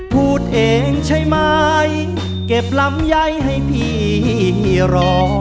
พูดเองใช่ไหมเก็บลำไยให้พี่รอ